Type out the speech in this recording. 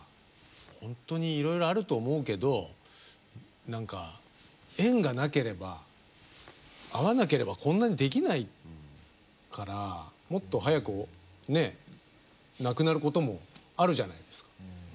ほんとにいろいろあると思うけど何か縁がなければ合わなければこんなにできないからもっと早くねえなくなることもあるじゃないですか。